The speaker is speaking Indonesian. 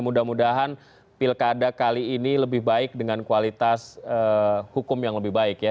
mudah mudahan pilkada kali ini lebih baik dengan kualitas hukum yang lebih baik ya